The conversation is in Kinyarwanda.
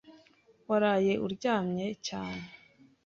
Waraye uryamye cyane?